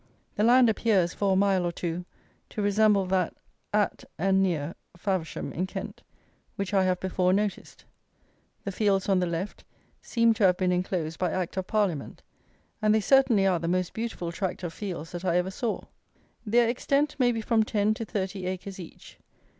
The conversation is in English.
The land appears, for a mile or two, to resemble that at and near Faversham in Kent, which I have before noticed. The fields on the left seem to have been enclosed by Act of Parliament; and they certainly are the most beautiful tract of fields that I ever saw. Their extent may be from ten to thirty acres each.